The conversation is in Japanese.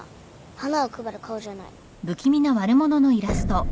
花を配る顔じゃない。